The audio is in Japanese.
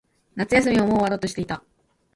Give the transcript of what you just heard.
夏休みももう終わろうとしていた。